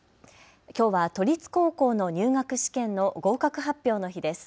きょうは都立高校の入学試験の合格発表の日です。